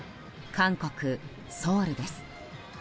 韓国ソウルです。